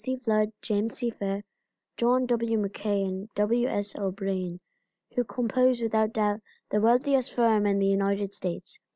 C. Flood, James C. Fair, John W. MacKay and W. S. O'Brien, who compose without doubt the wealthiest firm in the United States.